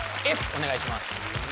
Ｆお願いします